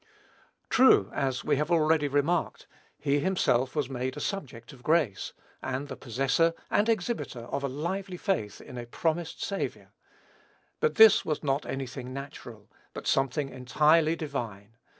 True, as we have already remarked, he himself was made a subject of grace, and the possessor and exhibitor of a lively faith in a promised Savior; but this was not any thing natural, but something entirely divine.